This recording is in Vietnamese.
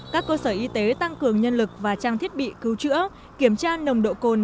các cơ sở y tế tăng cường nhân lực và trang thiết bị cứu chữa kiểm tra nồng độ cồn